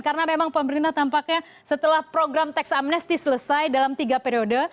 karena memang pemerintah tampaknya setelah program tax amnesty selesai dalam tiga periode